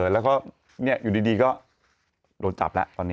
แล้วก็อยู่ดีก็โดนจับแล้วตอนนี้